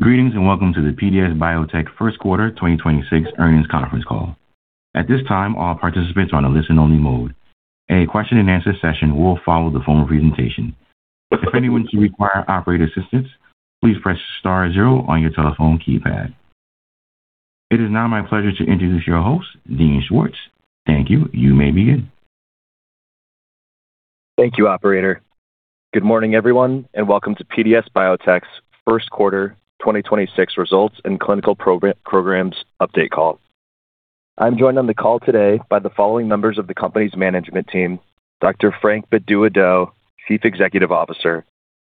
Greetings and welcome to the PDS Biotechnology first quarter 2026 earnings conference call. At this time, all participants are on a listen-only mode. A question-and-answer session will follow the formal presentation. If any needs to require operator assistance, please press star zero on your telephone keypad. It is now my pleasure to introduce your host, Dean Schwartz. Thank you. You may begin. Thank you, operator. Good morning, everyone, and welcome to PDS Biotechnology's first quarter 2026 results and clinical programs update call. I'm joined on the call today by the following members of the company's management team, Dr. Frank Bedu-Addo, Chief Executive Officer,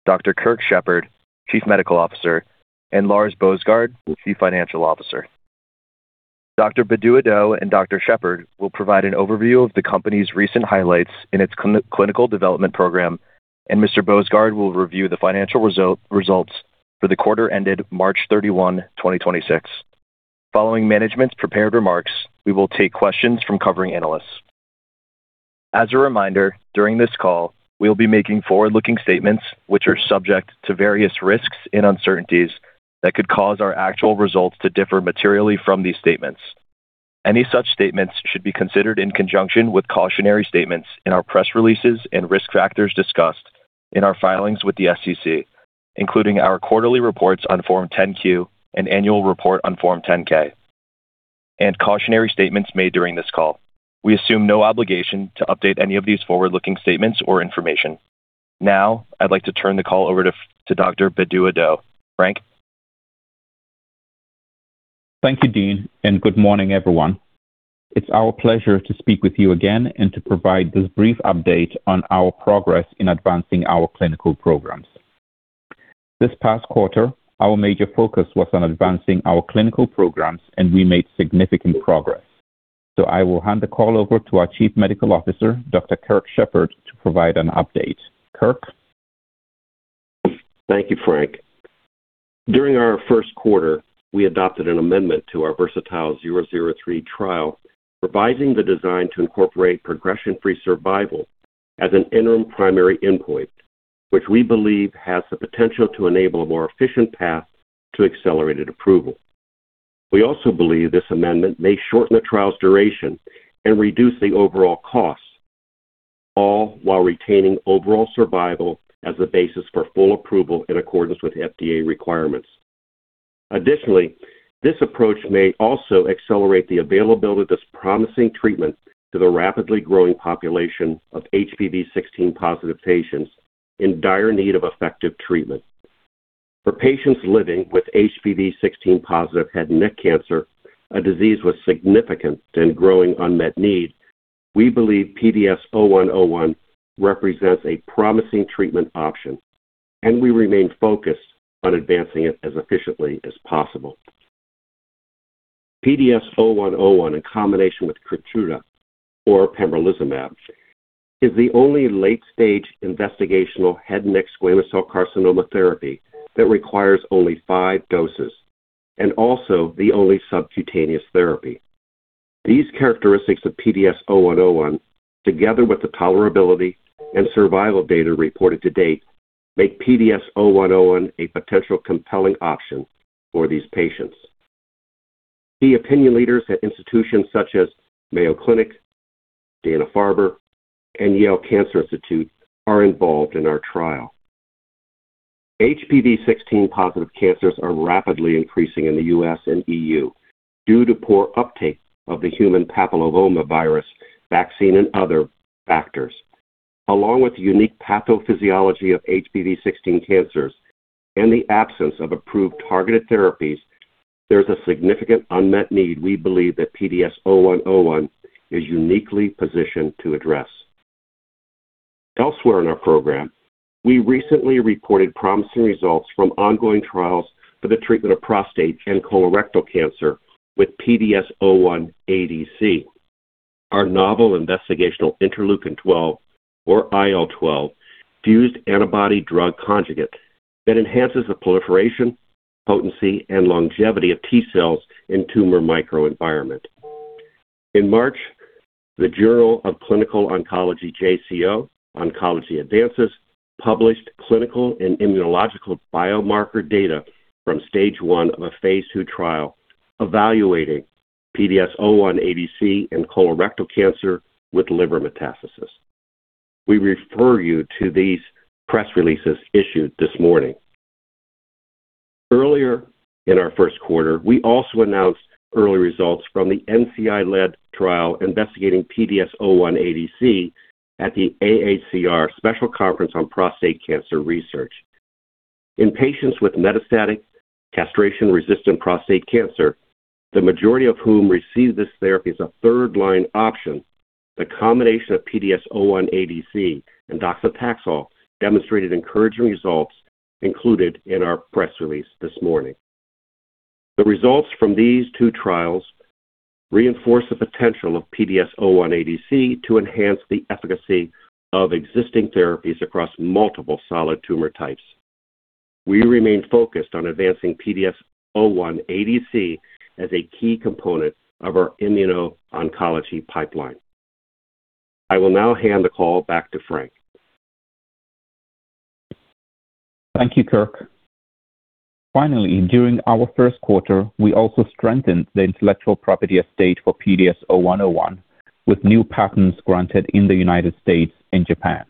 Dr. Kirk Shepard, Chief Medical Officer, and Lars Boesgaard, the Chief Financial Officer. Dr. Bedu-Addo and Dr. Shepard will provide an overview of the company's recent highlights in its clinical development program, and Mr. Boesgaard will review the financial results for the quarter ended March 31, 2026. Following management's prepared remarks, we will take questions from covering analysts. As a reminder, during this call, we'll be making forward-looking statements, which are subject to various risks and uncertainties that could cause our actual results to differ materially from these statements. Any such statements should be considered in conjunction with cautionary statements in our press releases and risk factors discussed in our filings with the SEC, including our quarterly reports on Form 10-Q and annual report on Form 10-K, and cautionary statements made during this call. We assume no obligation to update any of these forward-looking statements or information. Now, I'd like to turn the call over to Dr. Bedu-Addo. Frank. Thank you, Dean. Good morning, everyone. It's our pleasure to speak with you again and to provide this brief update on our progress in advancing our clinical programs. This past quarter, our major focus was on advancing our clinical programs. We made significant progress. I will hand the call over to our Chief Medical Officer, Dr. Kirk Shepard, to provide an update. Kirk. Thank you, Frank. During our first quarter, we adopted an amendment to our VERSATILE-003 trial, revising the design to incorporate progression-free survival as an interim primary endpoint, which we believe has the potential to enable a more efficient path to accelerated approval. We also believe this amendment may shorten the trial's duration and reduce the overall costs, all while retaining overall survival as the basis for full approval in accordance with FDA requirements. Additionally, this approach may also accelerate the availability of this promising treatment to the rapidly growing population of HPV16-positive patients in dire need of effective treatment. For patients living with HPV16-positive head and neck cancer, a disease with significant and growing unmet need, we believe PDS0101 represents a promising treatment option, and we remain focused on advancing it as efficiently as possible. PDS0101 in combination with KEYTRUDA or pembrolizumab is the only late-stage investigational head and neck squamous cell carcinoma therapy that requires only full doses and is also the only subcutaneous therapy. These characteristics of PDS0101, together with the tolerability and survival data reported to date, make PDS0101 a potential compelling option for these patients. The opinion leaders at institutions such as Mayo Clinic, Dana-Farber, and Yale Cancer Center are involved in our trial. HPV16-positive cancers are rapidly increasing in the U.S. and E.U. due to poor uptake of the human papillomavirus vaccine and other factors. Along with the unique pathophysiology of HPV16 cancers and the absence of approved targeted therapies, there is a significant unmet need we believe PDS0101 is uniquely positioned to address. Elsewhere in our program, we recently reported promising results from ongoing trials for the treatment of prostate and colorectal cancer with PDS01ADC, our novel investigational interleukin-12, or IL-12, fused antibody drug conjugate that enhances the proliferation, potency, and longevity of T cells in the tumor microenvironment. In March, the Journal of Clinical Oncology JCO Oncology Advances published clinical and immunological biomarker data from stage I of a phase II trial evaluating PDS01ADC in colorectal cancer with liver metastasis. We refer you to these press releases issued this morning. Earlier in our first quarter, we also announced early results from the NCI-led trial investigating PDS01ADC at the AACR Special Conference on Prostate Cancer Research. In patients with metastatic castration-resistant prostate cancer, the majority of whom receive this therapy as a third-line option, the combination of PDS01ADC and docetaxel demonstrated encouraging results, included in our press release this morning. The results from these two trials reinforce the potential of PDS01ADC to enhance the efficacy of existing therapies across multiple solid tumor types. We remain focused on advancing PDS01ADC as a key component of our immuno-oncology pipeline. I will now hand the call back to Frank. Thank you, Kirk. Finally, during our first quarter, we also strengthened the intellectual property estate for PDS0101 with new patents granted in the U.S. and Japan.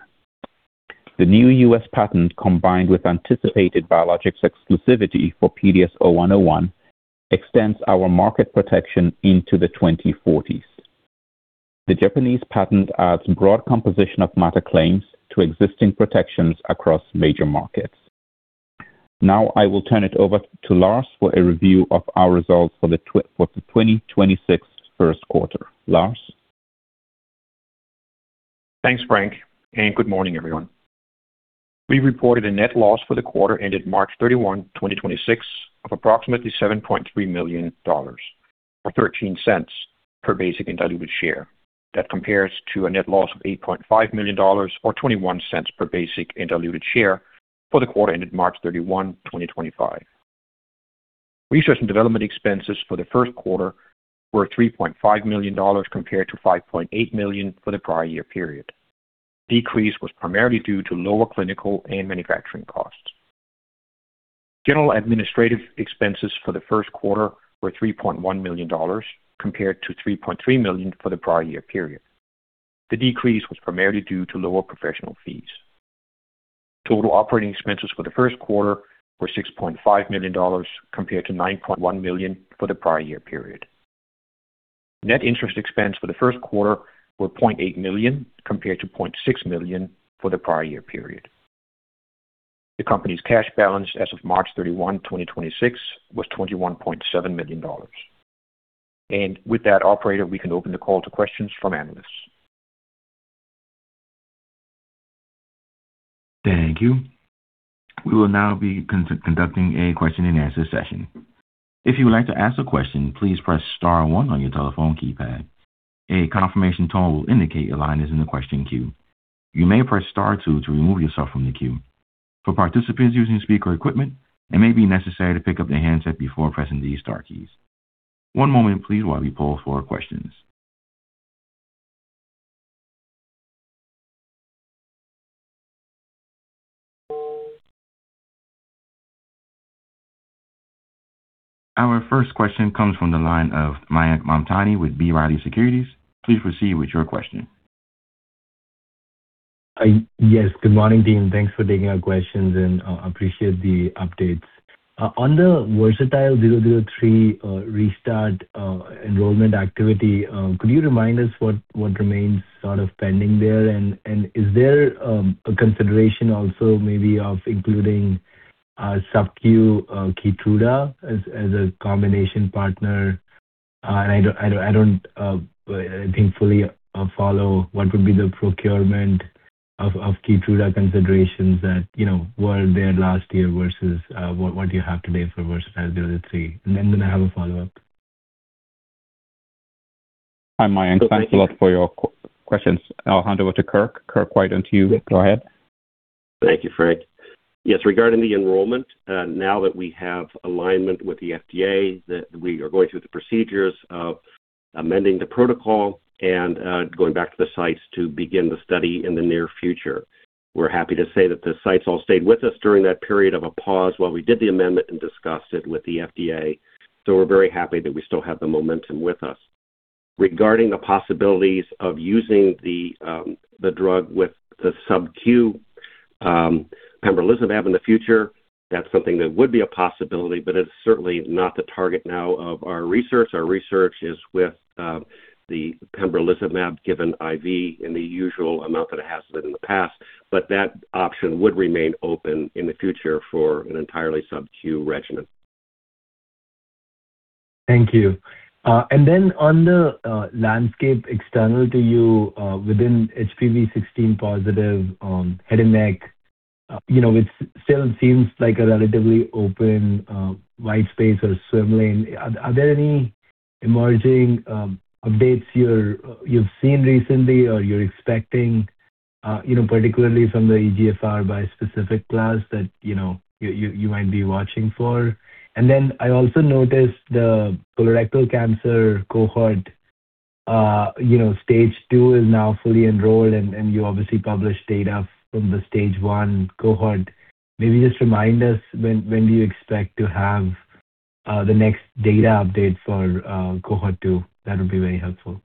The new U.S. patent, combined with anticipated biologics exclusivity for PDS0101, extends our market protection into the 2040s. The Japanese patent adds broad composition of matter claims to existing protections across major markets. Now I will turn it over to Lars for a review of our results for the 2026 first quarter. Lars. Thanks, Frank, good morning, everyone. We reported a net loss for the quarter ended March 31, 2026, of approximately $7.3 million, or $0.13 per basic and diluted share. That compares to a net loss of $8.5 million or $0.21 per basic and diluted share for the quarter ended March 31, 2025. Research and development expenses for the first quarter were $3.5 million compared to $5.8 million for the prior year period. The decrease was primarily due to lower clinical and manufacturing costs. General administrative expenses for the first quarter were $3.1 million compared to $3.3 million for the prior year period. The decrease was primarily due to lower professional fees. Total operating expenses for the first quarter were $6.5 million compared to $9.1 million for the prior year period. Net interest expense for the first quarter was $0.8 Million compared to $0.6 million for the prior year period. The company's cash balance as of March 31, 2026, was $21.7 million. With that, operator, we can open the call to questions from analysts. Thank you. We will now be conducting a question-and-answer session. If you would like to ask a question, please press star one on your telephone keypad. A confirmation tone will indicate your line is in the question queue. You may press star two to remove yourself from the queue. For participants using speaker equipment, it may be necessary to pick up the handset before pressing these star keys. One moment, please, while we poll for questions. Our first question comes from the line of Mayank Mamtani with B. Riley Securities. Please proceed with your question. Yes. Good morning, team. Thanks for taking our questions, and I appreciate the updates. On the VERSATILE-003 restart enrollment activity, could you remind us what remains sort of pending there? Is there a consideration also, maybe, of including subcu KEYTRUDA as a combination partner? I don't painfully follow what would be the procurement of KEYTRUDA considerations that, you know, were there last year, versus what do you have today for VERSATILE-003? I have a follow-up. Hi, Mayank. Thanks a lot for your questions. I'll hand over to Kirk. Kirk, why don't you go ahead? Thank you, Frank. Yes, regarding the enrollment, now that we have alignment with the FDA, we are going through the procedures of amending the protocol and going back to the sites to begin the study in the near future. We're happy to say that the sites all stayed with us during that period of pause while we did the amendment and discussed it with the FDA. We're very happy that we still have the momentum with us. Regarding the possibilities of using the drug with the subcu pembrolizumab in the future, that's something that would be a possibility, it's certainly not the target now of our research. Our research is with the pembrolizumab given IV in the usual amount that it has been in the past, that option would remain open in the future for an entirely subcu regimen. Thank you. Then on the landscape external to you, within HPV16-positive, head and neck, you know, it still seems like a relatively open white space or swim lane. Are there any emerging updates you've seen recently, or you're expecting, you know, particularly from the EGFR bispecific class that, you know, you might be watching for? Then I also noticed the colorectal cancer cohort, you know, stage 2 is now fully enrolled, and you obviously published data from the stage 1 cohort. Maybe just remind us when do you expect to have the next data update for cohort 2? That would be very helpful.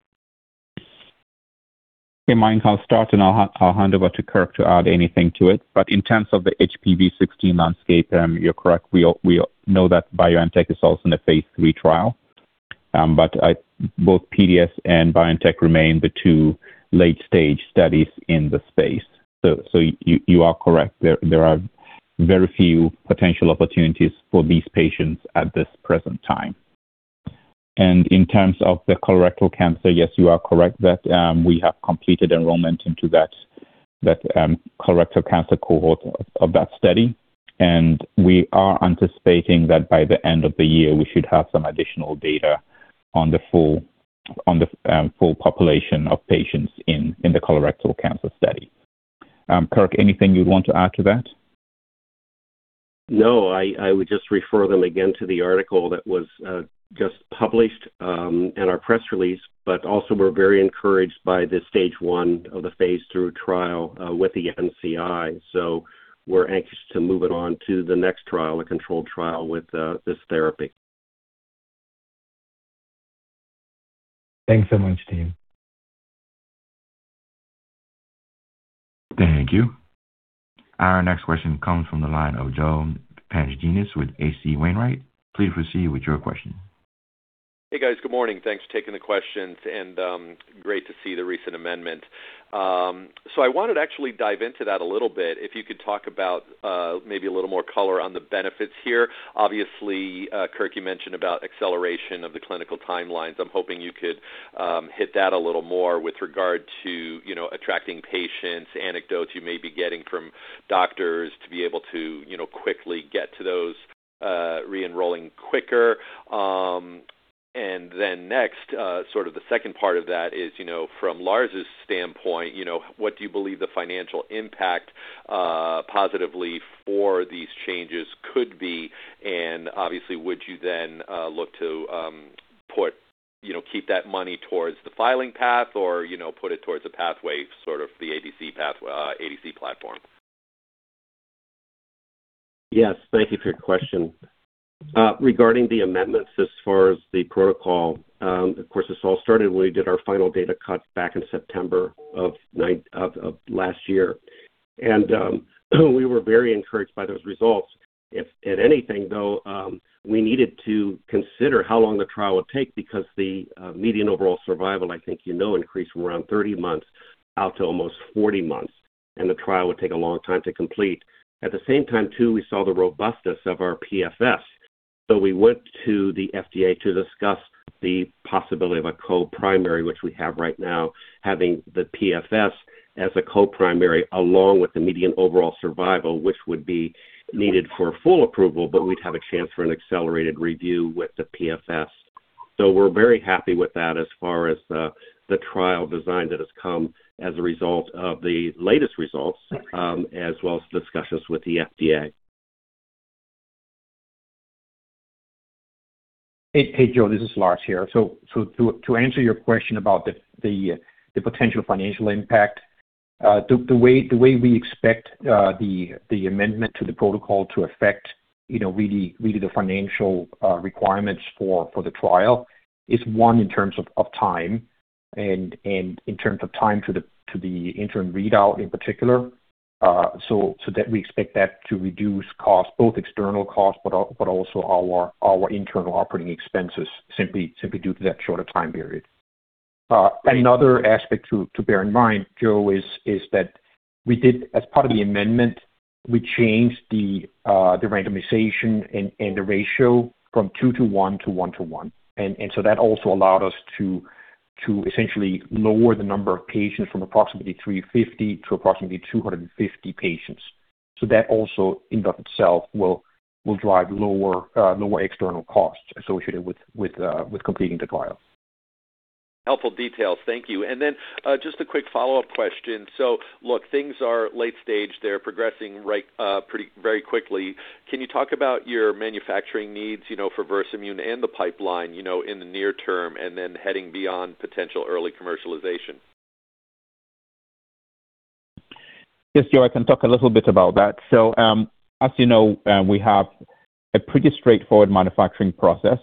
Hey, Mayank, I'll start. I'll hand over to Kirk to add anything to it. In terms of the HPV16 landscape, you're correct. We know that BioNTech is also in a phase III trial. Both PDS and BioNTech remain the two late-stage studies in the space. You are correct. There are very few potential opportunities for these patients at this present time. In terms of the colorectal cancer, yes, you are correct that we have completed enrollment into that colorectal cancer cohort of that study. We are anticipating that by the end of the year, we should have some additional data on the full population of patients in the colorectal cancer study. Kirk, anything you'd want to add to that? No, I would just refer them again to the article that was just published, and our press release, but also, we're very encouraged by the stage 1 of the phase II trial with the NCI. We're anxious to move it on to the next trial, a controlled trial with this therapy. Thanks so much, team. Thank you. Our next question comes from the line of Joe Pantginis with H.C. Wainwright. Please proceed with your question. Hey, guys. Good morning. Thanks for taking the questions. Great to see the recent amendment. I wanted to actually dive into that a little bit, if you could talk about maybe a little more color on the benefits here. Obviously, Kirk, you mentioned about the acceleration of the clinical timelines. I'm hoping you could hit that a little more with regard to, you know, attracting patients, anecdotes you may be getting from doctors to be able to, you know, quickly get to those re-enrolling quicker. Next, sort of the second part of that is, you know, from Lars' standpoint, you know, what do you believe the financial impact positively for these changes could be? Obviously, would you then look to put, you know, keep that money towards the filing path or, you know, put it towards a pathway, sort of the ADC path, ADC platform? Yes. Thank you for your question. Regarding the amendments as far as the protocol, of course, this all started when we did our final data cut back in September of last year. We were very encouraged by those results. If anything, though, we needed to consider how long the trial would take because the median overall survival, I think you know, increased from around 30 months out to almost 40 months, and the trial would take a long time to complete. At the same time, too, we saw the robustness of our PFS. We went to the FDA to discuss the possibility of a co-primary, which we have right now, having the PFS as a co-primary along with the median overall survival, which would be needed for full approval, but we'd have a chance for an accelerated review with the PFS. We're very happy with that as far as the trial design that has come as a result of the latest results, as well as discussions with the FDA. Hey, Joe. This is Lars here. To answer your question about the potential financial impact, the way we expect the amendment to the protocol to affect, you know, really the financial requirements for the trial is one in terms of time and in terms of time to the interim readout in particular. We expect that to reduce costs, both external costs, but also our internal operating expenses, simply due to that shorter time period. Another aspect to bear in mind, Joe, is that we did, as part of the amendment, we changed the randomization and the ratio from 2 to 1 to 1 to 1. That also allowed us to essentially lower the number of patients from approximately 350 to approximately 250 patients. That also, in and of itself, will drive lower external costs associated with completing the trial. Helpful details. Thank you. Just a quick follow-up question. Things are late-stage. They're progressing right, pretty very quickly. Can you talk about your manufacturing needs, you know, for Versamune and the pipeline, you know, in the near term and then heading beyond potential early commercialization? Yes, Joe, I can talk a little bit about that. As you know, we have a pretty straightforward manufacturing process.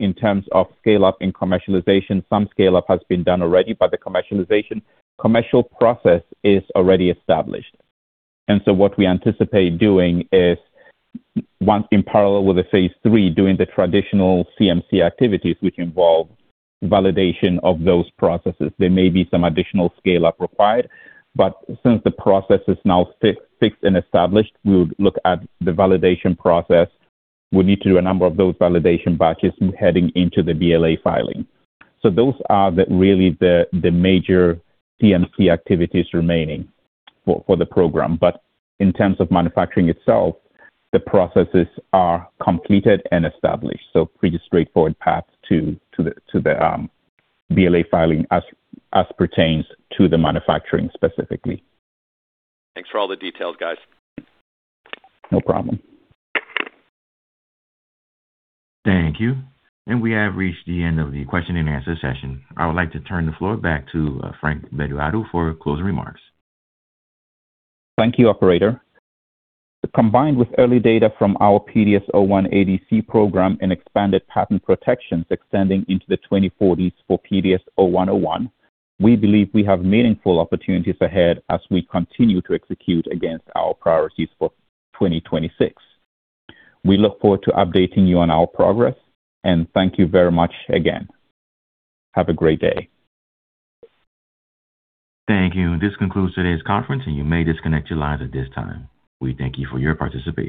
In terms of scale-up and commercialization, some scale-up has been done already, but the commercial process is already established. What we anticipate doing is, once in parallel with the phase III, doing the traditional CMC activities, which involve validation of those processes. There may be some additional scale-up required, but since the process is now fixed and established, we would look at the validation process. We need to do a number of those validation batches heading into the BLA filing. Those are really the major CMC activities remaining for the program. In terms of manufacturing itself, the processes are completed and established, so pretty straightforward path to the BLA filing as pertains to the manufacturing specifically. Thanks for all the details, guys. No problem. Thank you. We have reached the end of the question-and-answer session. I would like to turn the floor back to Frank Bedu-Addo for closing remarks. Thank you, operator. Combined with early data from our PDS01ADC program and expanded patent protections extending into the 2040s for PDS0101, we believe we have meaningful opportunities ahead as we continue to execute against our priorities for 2026. We look forward to updating you on our progress. Thank you very much again. Have a great day. Thank you. This concludes today's conference, and you may disconnect your lines at this time. We thank you for your participation.